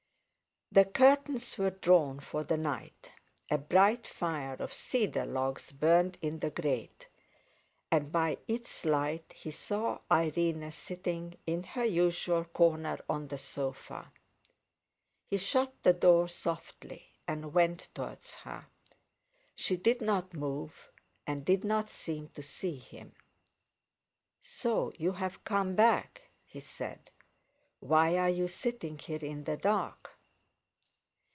The curtains were drawn for the night, a bright fire of cedar logs burned in the grate, and by its light he saw Irene sitting in her usual corner on the sofa. He shut the door softly, and went towards her. She did not move, and did not seem to see him. "So you've come back?" he said. "Why are you sitting here in the dark?"